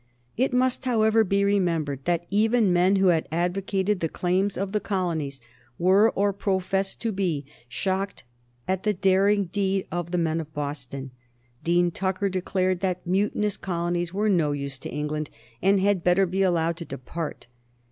It must, however, be remembered that even men who had advocated the claims of the colonies were, or professed to be, shocked at the daring deed of the men of Boston. Dean Tucker declared that mutinous colonies were no use to England, and had better be allowed to depart.